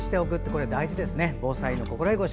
これ、大事ですね。